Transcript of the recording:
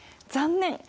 残念！